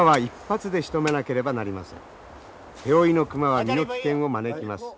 手負いの熊は身の危険を招きます。